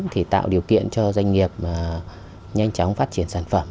thì tạo điều kiện cho doanh nghiệp nhanh chóng phát triển sản phẩm